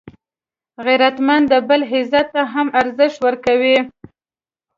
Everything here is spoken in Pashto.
غیرتمند د بل عزت ته هم ارزښت ورکوي